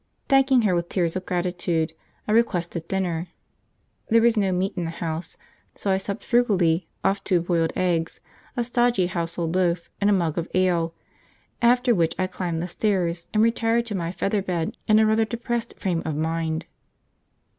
Thanking her with tears of gratitude, I requested dinner. There was no meat in the house, so I supped frugally off two boiled eggs, a stodgy household loaf, and a mug of ale, after which I climbed the stairs, and retired to my feather bed in a rather depressed frame of mind.